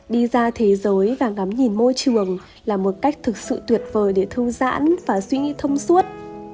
đi ra thế giới và ngắm nhìn môi trường là một cách thực sự tuyệt vời để thư giãn và suy nghĩ thông suốt